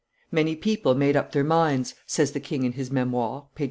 "Many people made up their minds," says the king in his Memoires [t.